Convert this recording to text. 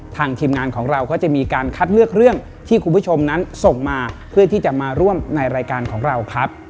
ทีมงานของเราก็จะมีการคัดเลือกเรื่องที่คุณผู้ชมนั้นส่งมาเพื่อที่จะมาร่วมในรายการของเราครับ